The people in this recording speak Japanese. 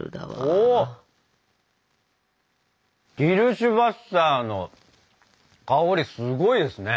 おキルシュヴァッサーの香りすごいですね。